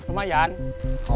udah dapat banyak uang